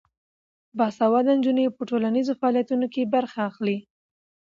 باسواده نجونې په ټولنیزو فعالیتونو کې برخه اخلي.